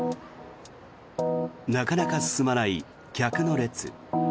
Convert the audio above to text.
なかなか進まない客の列。